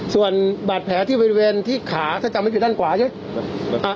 ส่วนบาดแผลที่บริเวณที่ขาถ้าจำไม่ผิดด้านขวาใช่ไหม